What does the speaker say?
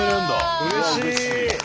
うれしい！